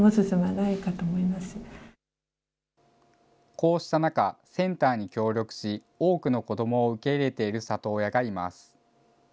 こうした中、センターに協力し、多くの子どもを受け入れている里親がいます。